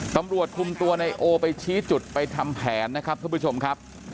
ตำรวจคุมตัวในโอไปชี้จุดไปทำแผนนะครับท่านผู้ชมครับ